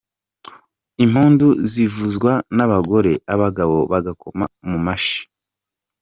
Impundu zivuzwa n’abagore, abagabo bagakoma mu mashyi.